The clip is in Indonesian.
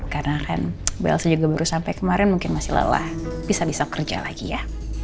karena kan bu elsa juga baru sampai kemarin mungkin masih lelah bisa bisa kerja lagi ya